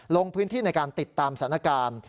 ลงพื้นที่ในการติดตามสถานการณ์